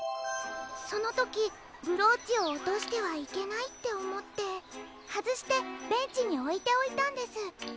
そのときブローチをおとしてはいけないっておもってはずしてベンチにおいておいたんです。